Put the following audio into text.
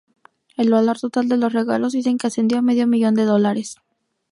El valor total de los regalos dicen que ascendió a medio millón de dólares.